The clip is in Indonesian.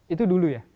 itu dulu ya